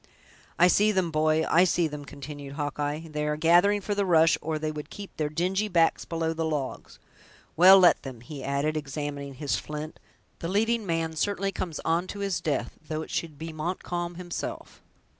"I see them, boy, I see them!" continued Hawkeye; "they are gathering for the rush, or they would keep their dingy backs below the logs. Well, let them," he added, examining his flint; "the leading man certainly comes on to his death, though it should be Montcalm himself!"